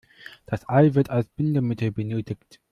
Das Ei wird als Bindemittel benötigt.